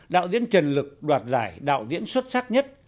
đạo diễn trần lực đoạt giải đạo diễn xuất sắc nhất